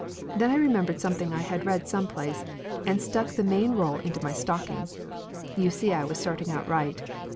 Then I remembered something I had read some place, and stuck the main roll into my stocking. You see I was starting out right.